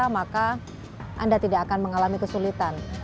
maka anda tidak akan mengalami kesulitan